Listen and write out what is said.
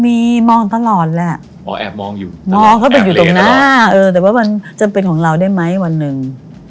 มีมองตลอดแหละมองเขาเป็นอยู่ตรงหน้าแต่ว่ามันจะเป็นของเราได้ไหมวันหนึ่ง